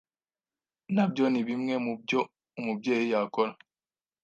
nabyo ni bimwe mu byo umubyeyi yakora